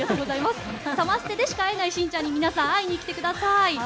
サマステでしか会えないしんちゃんに皆さん会いに来てください。